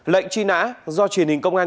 lệnh truy nã do truyền hình công an